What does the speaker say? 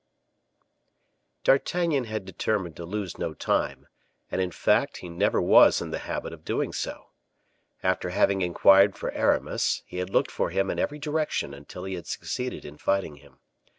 D'Artagnan had determined to lose no time, and in fact he never was in the habit of doing so. After having inquired for Aramis, he had looked for him in every direction until he had succeeded in finding him.